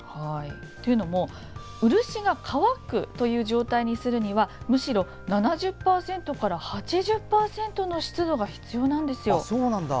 というのも漆が乾くという状態にするにはむしろ、７０％から８０％の湿度が必要なんです。